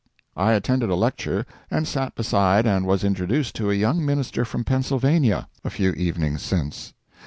I attended a lecture, and sat beside and was introduced to a young minister from Pennsylvania, a few evenings since.